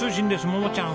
桃ちゃん